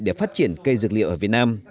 để phát triển cây dược liệu ở việt nam